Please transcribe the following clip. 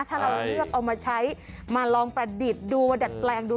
ถ้าเราเลือกเอามาใช้มาลองประดิษฐ์ดูมาดัดแปลงดู